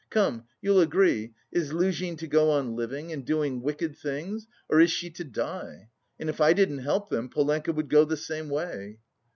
Come, you'll agree, is Luzhin to go on living, and doing wicked things or is she to die? And if I didn't help them, Polenka would go the same way."